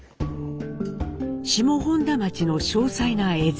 下本多町の詳細な絵図。